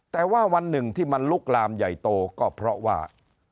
แต่ว่าวันหนึ่งที่มันลุกลามใหญ่โตก็เพราะว่า